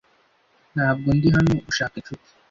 Ntabwo ndi hano gushaka inshuti.